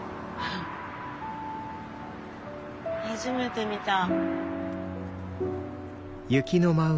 初めて見た。